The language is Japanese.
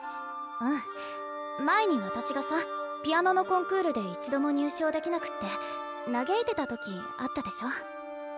うん前にわたしがさピアノのコンクールで一度も入賞できなくってなげいてた時あったでしょ？